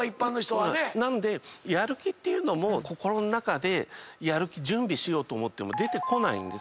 なのでやる気っていうのも心の中で準備しようと思っても出てこないんです。